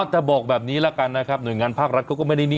แต่บอกแบบนี้แล้วกันนะครับ